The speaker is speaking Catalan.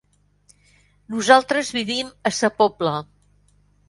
Nosaltres vivim a Sa Pobla.